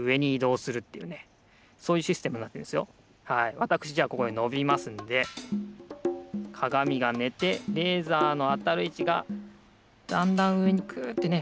わたくしじゃあここでのびますんでかがみがねてレーザーのあたるいちがだんだんうえにクッてね